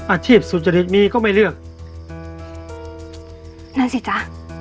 สุจริตมีก็ไม่เลือกนั่นสิจ๊ะ